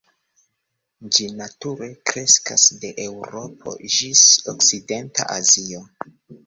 Ĝi nature kreskas de Eŭropo ĝis okcidenta Azio.